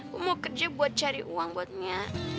gue mau kerja buat cari uang buat nya